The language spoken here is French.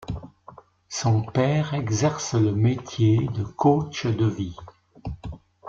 Son père exerce le métier de coach de vie.